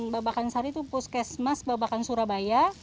babakan sari itu puskesmas babakan surabaya